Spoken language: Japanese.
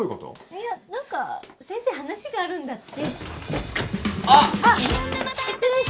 いや何か先生話があるんだってあっ！